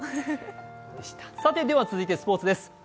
続いてスポーツです。